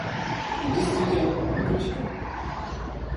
И действительно, он кричал.